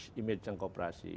image image yang kooperasi